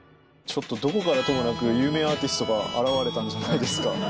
ちょっとどこからともなく有名アーティストが現れたんじゃないですか。